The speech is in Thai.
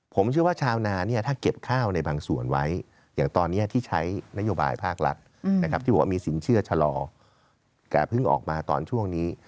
ผมเชื่อว่าชาวนาเนี่ยถ้าเก็บข้าวในบางส่วนไว้อย่างตอนนี้ที่ใช้นโยบายภาครัฐนะครับที่บอกว่ามีสินเชื่อชะลอแต่เพิ่งออกมาตอนช่วงนี้